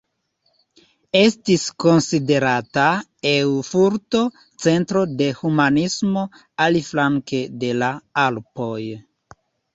Estis konsiderata Erfurto centro de humanismo aliflanke de la Alpoj.